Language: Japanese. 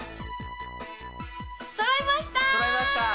そろいました！